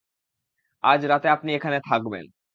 আজ রাতে আপনি এখানে থাকবেন।